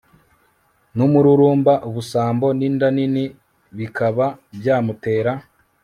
n'umururumba, ubusambo n'inda nini bikaba byamutera